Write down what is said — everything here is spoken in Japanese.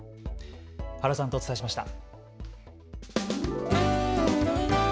原さんとお伝えしました。